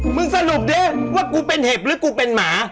สรุปดิว่ากูเป็นเห็บหรือกูเป็นหมา